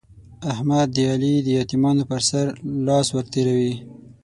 احمد د علي د يتيمانو پر سر لاس ور تېروي.